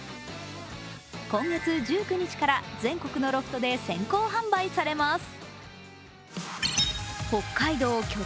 今月１９日から全国のロフトで先行販売されます。